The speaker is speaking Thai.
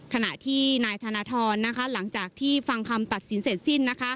ขณะที่นายธนทรหลังจากที่ฟังคำตัดสินเสร็จสิ้น